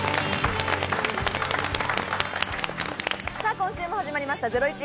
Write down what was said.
今週も始まりました『ゼロイチ』。